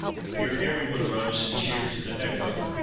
Here every one rose, and cheered to the echo.